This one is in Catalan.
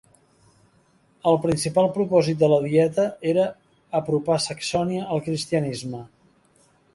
El principal propòsit de la dieta era apropar Saxònia al cristianisme.